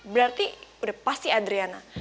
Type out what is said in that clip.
berarti udah pasti adriana